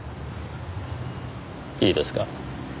いいですか。